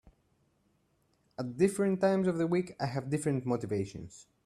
At different times of the week I have different motivations.